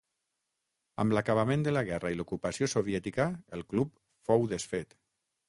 Amb l'acabament de la guerra i l'ocupació soviètica el club fou desfet.